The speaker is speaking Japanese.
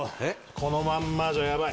このまんまじゃヤバい。